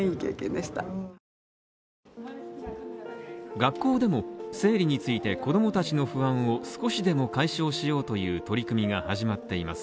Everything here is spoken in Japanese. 学校でも生理について子供たちの不安を少しでも解消しようという取り組みが始まっています。